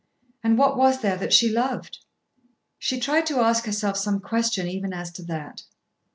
And what was there that she loved? She tried to ask herself some question even as to that.